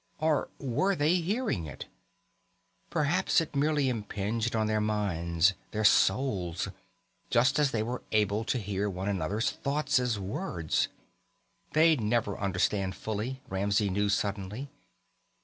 Or were they hearing it? Perhaps it merely impinged on their minds, their souls, just as they were able to hear one another's thoughts as words.... They'd never understand fully, Ramsey knew suddenly.